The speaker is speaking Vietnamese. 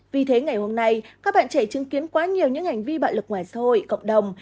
vì thế ngày hôm nay các bạn trẻ chứng kiến quá nhiều những hành vi bạo lực ngoài xã hội cộng đồng